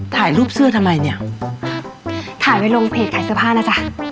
ถ่ายรูปเสื้อทำไมเนี่ยถ่ายไว้ลงเพจขายเสื้อผ้านะจ๊ะ